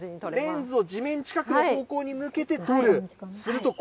レンズを地面近くの方向に向けて撮る。